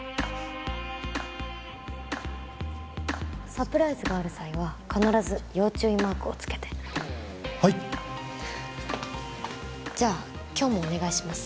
サプライズがある際は必ず要注意マークをつけてはいじゃあ今日もお願いします